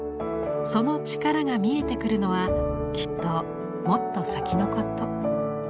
そのチカラが見えてくるのはきっともっと先のこと。